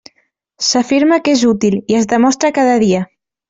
S'afirma que és útil, i es demostra cada dia.